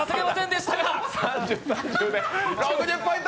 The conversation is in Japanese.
６０ポイント。